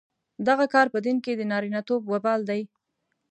دغه کار په دین کې د نارینتوب وبال دی.